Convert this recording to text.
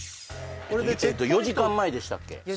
えっと４時間前でしたっけ？